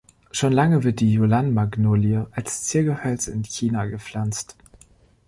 Schon lange wird die Yulan-Magnolie als Ziergehölz in China gepflanzt.